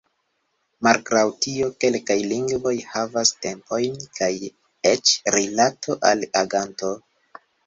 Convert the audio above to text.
Malgraŭ tio, kelkaj lingvoj havas tempojn kaj eĉ rilato al aganto.